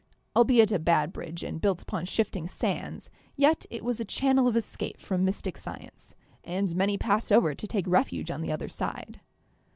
Albeit a bad bridge, and built upon shifting sands, yet it was a channel of escape from mystic science, and many passed over to take refuge on the other side.